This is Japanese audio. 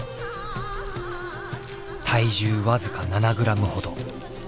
体重僅か７グラムほど。